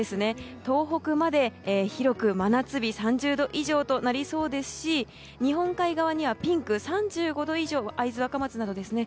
東北まで広く真夏日３０度以上となりそうですし日本海側にはピンク、３５度以上会津若松などですね